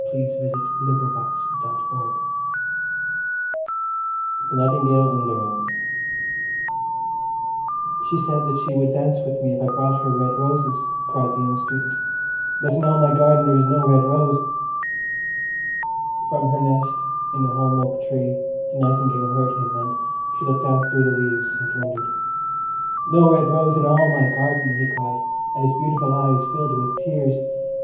[Picture: Decorative graphic of young man lying on grass] "SHE said that she would dance with me if I brought her red roses," cried the young Student; "but in all my garden there is no red rose." From her nest in the holm oak tree the Nightingale heard him, and she looked out through the leaves, and wondered. "No red rose in all my garden!" he cried, and his beautiful eyes filled with tears.